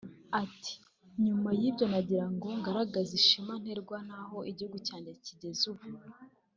Ati “ Nyuma y'ibyo nagirango ngaragaze ishema nterwa naho igihugu cyanjye kigeze ubu